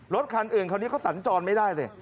รถคันอื่นคราวนี้เขาสัญจรไม่ได้สิ